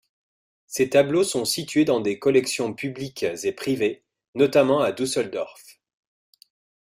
Ses tableaux sont situés dans des collections publiques et privées, notamment à Düsseldorf.